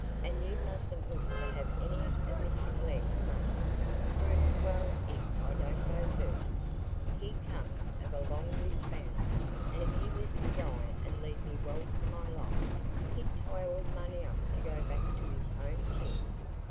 And you mustn't look to having any o' Mr Glegg's money, for it's well if I don't go first,—he comes of a long lived family; and if he was to die and leave me well for my life, he'd tie all the money up to go back to his own kin."